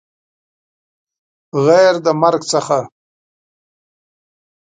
غیر د مرګ څخه